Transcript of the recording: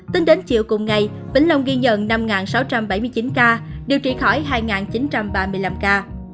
tính đến chiều cùng ngày vĩnh long ghi nhận năm sáu trăm bảy mươi chín ca điều trị khỏi hai chín trăm ba mươi năm ca